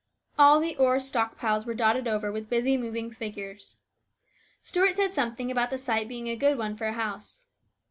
All the ore stock piles were dotted over with busy moving figures. Stuart said something about the site being a good one for a house.